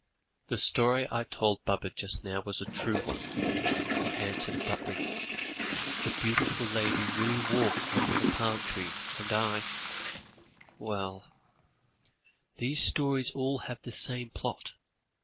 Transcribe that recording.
"The story I told Baba just now was a true one," he answered abruptly; "the beautiful lady really walked under the palm trees, and I well these stories all have the same plot.